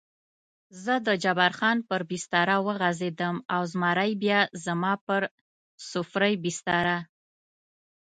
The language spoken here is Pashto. زه د جبار خان پر بستره وغځېدم او زمری بیا زما پر سفرۍ بستره.